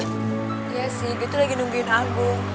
iya sih gue tuh lagi nungguin albu